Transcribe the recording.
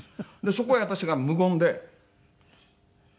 そこへ私が無言で。